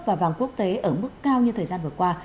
và vàng quốc tế ở mức cao như thời gian vừa qua